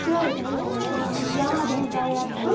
今もうこの山全体だったり。